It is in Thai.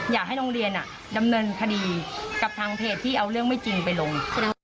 อยากให้โรงเรียนดำเนินคดีกับทางเพจที่เอาเรื่องไม่จริงไปลง